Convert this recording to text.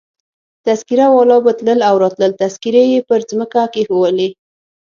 تذکیره والا به تلل او راتلل، تذکیرې يې پر مځکه کښېښولې.